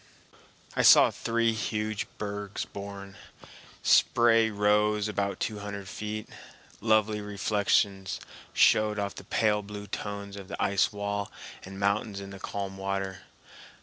I saw three huge bergs born. Spray rose about two hundred feet. Lovely reflections showed of the pale blue tones of the ice wall and mountains in the calm water.